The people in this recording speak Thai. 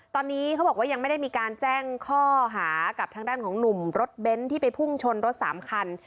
ตอนนี้เขาบอกว่ายังไม่ได้มีการแจ้งข้อหากับทางด้านของหนุ่มรถเบนท์ที่ไปพุ่งชนรถสามคัน